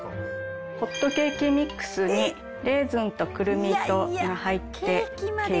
ホットケーキミックスにレーズンとくるみが入ってケーキです。